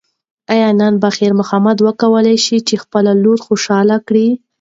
ایا نن به خیر محمد وکولی شي چې خپله لور خوشحاله کړي؟